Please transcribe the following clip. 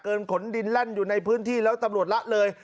ขนดินแล่นอยู่ในพื้นที่แล้วตำรวจละเลย